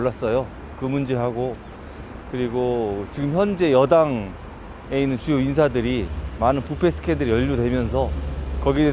dan juga sekarang di pemerintah yang terutama ada banyak skandal kegagalan